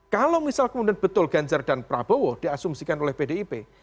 kalau misal kemudian betul ganjar dan prabowo diasumsikan oleh pdip